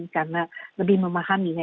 karena lebih memahaminya